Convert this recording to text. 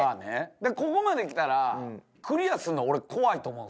ここまで来たらクリアすんの俺怖いと思うんですよ。